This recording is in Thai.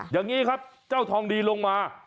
อย่างนี้ครับเจ้าทองดีลงมา